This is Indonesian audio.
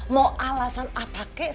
mau alasan apa kek